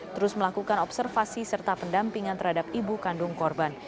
terus melakukan observasi serta pendampingan terhadap ibu kandung korban